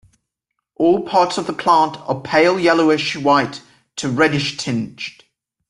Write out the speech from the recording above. All parts of the plant are pale yellowish white to reddish-tinged.